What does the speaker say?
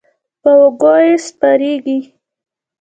پر اوږو یې سپرېږي.